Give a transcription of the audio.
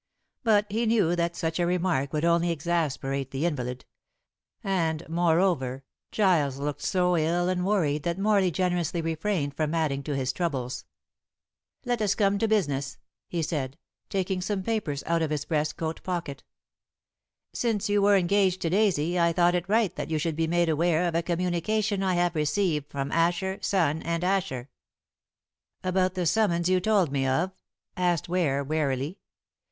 But he knew that such a remark would only exasperate the invalid; and, moreover, Giles looked so ill and worried that Morley generously refrained from adding to his troubles. "Let us come to business," he said, taking some papers out of his breast coat pocket. "Since you were engaged to Daisy I thought it right that you should be made aware of a communication I have received from Asher, Son, and Asher." "About the summons you told me of?" asked Ware wearily.